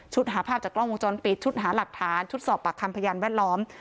หาภาพจากกล้องวงจรปิดชุดหาหลักฐานชุดสอบปากคำพยานแวดล้อม